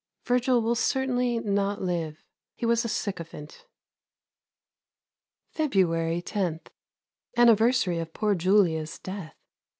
Virgil will certainly not live. He was a sycophant. February 10. Anniversary of poor Julia's death.